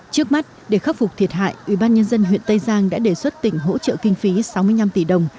trước mắt để khắc phục thiệt hại ubnd huyện tây giang đã đề xuất tỉnh hỗ trợ kinh phí sáu mươi năm tỷ đồng